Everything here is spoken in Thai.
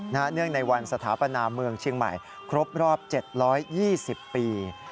เนื่องในวันสถาปนาเมืองเชียงใหม่ครบรอบ๗๒๐ปี